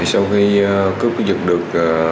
sau khi cấp giật được